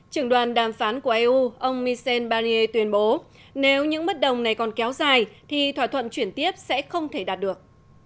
trưởng đoàn đàm phán của eu ông michel barrier tuyên bố nếu những bất đồng này còn kéo dài thì thỏa thuận chuyển tiếp sẽ không thể đạt được